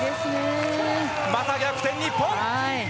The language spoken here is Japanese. また逆転、日本！